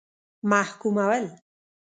محکومول.